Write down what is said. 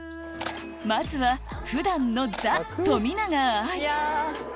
まずは普段のザ冨永愛！